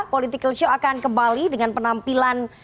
political show akan kembali dengan penampilan